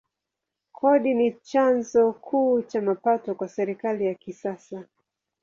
Kodi ni chanzo kuu cha mapato kwa serikali ya kisasa.